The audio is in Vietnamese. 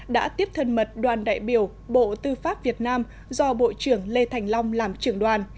đã tiếp thân mật đoàn đại biểu bộ tư pháp việt nam do bộ trưởng lê thành long làm trưởng đoàn